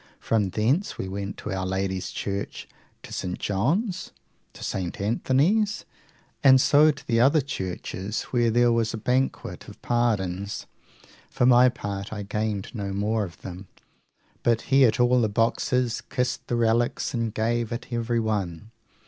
From thence we went to Our Lady's Church, to St. John's, to St. Anthony's, and so to the other churches, where there was a banquet (bank) of pardons. For my part, I gained no more of them, but he at all the boxes kissed the relics, and gave at everyone.